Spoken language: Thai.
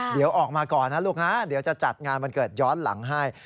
เดี๋ยวออกมาก่อนนะลูกนะเดี๋ยวจะจัดงานวันเกิดย้อนหลังให้